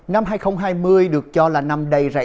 năm hai nghìn hai mươi được cho là năm đầy rẫy